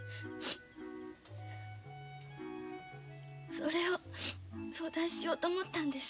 それを相談しようと思ったんです。